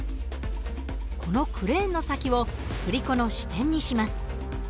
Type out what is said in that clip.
このクレーンの先を振り子の支点にします。